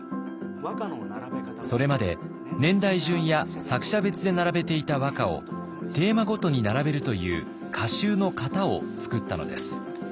それまで年代順や作者別で並べていた和歌をテーマごとに並べるという歌集の型を創ったのです。